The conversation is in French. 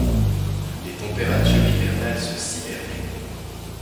Les températures hivernales sont sibériennes.